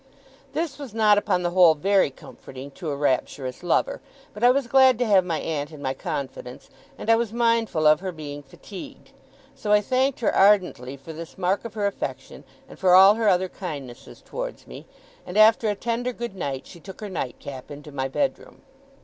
This was not upon the whole very comforting to a rapturous lover; but I was glad to have my aunt in my confidence, and I was mindful of her being fatigued. So I thanked her ardently for this mark of her affection, and for all her other kindnesses towards me; and after a tender good night, she took her nightcap into my bedroom.